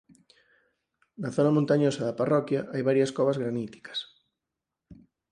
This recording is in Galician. Na zona montañosa da parroquia hai varias covas graníticas.